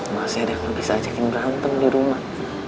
masih ada kalau bisa ajakin berantem di rumah